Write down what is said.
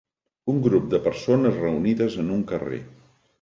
Un grup de persones reunides en un carrer.